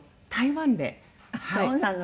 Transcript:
そうなの？